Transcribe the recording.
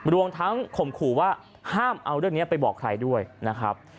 รวมทั้งข่มขู่ว่าห้ามเอาเรื่องนี้ไปบอกใครด้วยนะครับ